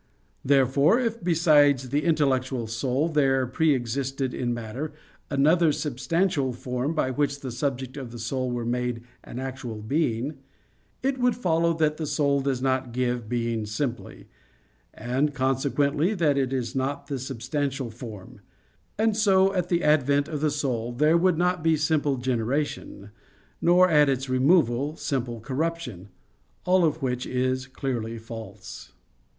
Therefore, if besides the intellectual soul there pre existed in matter another substantial form by which the subject of the soul were made an actual being, it would follow that the soul does not give being simply; and consequently that it is not the substantial form: and so at the advent of the soul there would not be simple generation; nor at its removal simple corruption, all of which is clearly false.